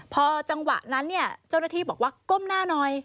พอจังหวะนั้นเนี่ยเจ้าหน้าที่บอกว่าก้มหน้าหน่อย